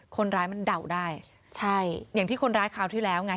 คนร้ายมันเดาได้ใช่อย่างที่คนร้ายคราวที่แล้วไง